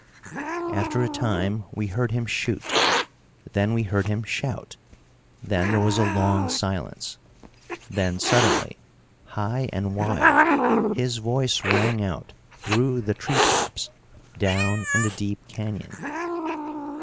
After a time we heard him shoot. Then we heard him shout. Then there was a long silence. Then suddenly, high and wild, his voice rang out through the tree tops down in the deep canyon.